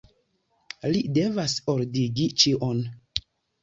Li devas ordigi ĉion.